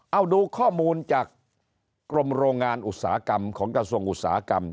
เอาดูข้อมูลจากกรมโรงงานอุตสาหกรรมของกระทรวงอุตสาหกรรม